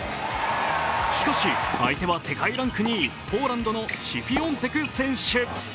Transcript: しかし、相手は世界ランク２位、ポーランドのシフィオンテク選手。